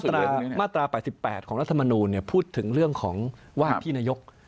มาตรา๘๘ของรัฐมนูลพูดถึงเรื่องของว่าที่นายก